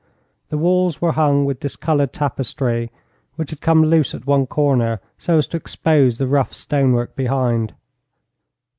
The walls were hung with discoloured tapestry, which had come loose at one corner, so as to expose the rough stonework behind.